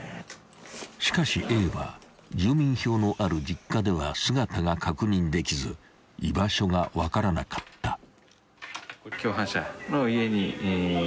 ［しかしＡは住民票のある実家では姿が確認できず居場所が分からなかった］